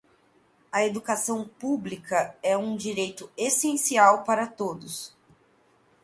A educação pública é um direito essencial para todos.